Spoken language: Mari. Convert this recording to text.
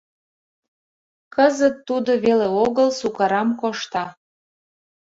Кызыт тудо веле огыл сукарам кошта.